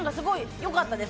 よかったです。